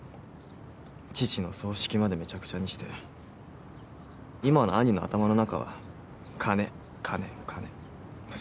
父の葬式までめちゃくちゃにして今の兄の頭の中は金金金それだけ。